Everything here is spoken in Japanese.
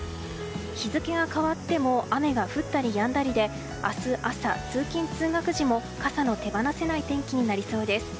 日付が変わっても雨が降ったりやんだりで明日朝、通勤・通学時も傘の手放せない天気となりそうです。